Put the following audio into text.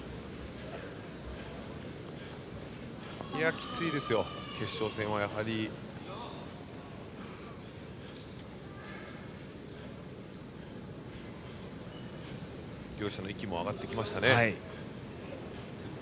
きついですよ決勝戦はやはり。両者の息も上がってきましたね。